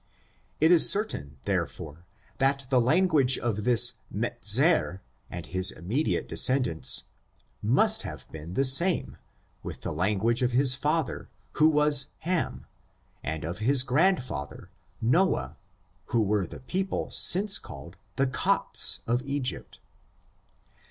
It is certain, therefore, that the language of this Mezar^ and his immediate descendants, must have been the same^ with the language of his father, wlio was Hamj and of his grandfather, Noah^ who were the people since called the Copts of Egypt.